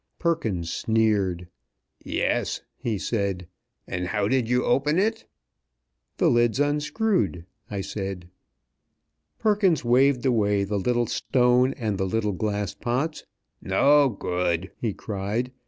Perkins sneered. "Yes," he said, "and how did you open it?" "The lids unscrewed," I said. Perkins waved away the little stone and the little glass pots. "No good!" he cried.